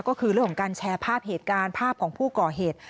ก็คือเรื่องของการแชร์ภาพเหตุการณ์ภาพของผู้ก่อเหตุ